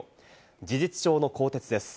事実上の更迭です。